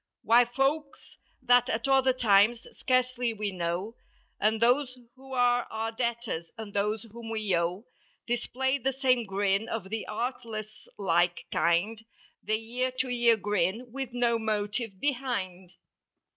Why folks that at other times, scarcely we know. And those who're our debtors and those whom we owe Display the same grin of the artless like kind The ear to ear grin with no motive behind.